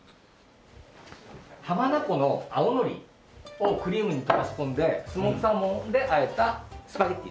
浜名湖の青のりをクリームに溶かし込んでスモークサーモンであえたスパゲッティです。